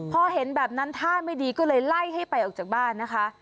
พอเห็นแบบนั้นท่าไม่ดีก็เลยไล่ให้ไปออกจากบ้านนะคะ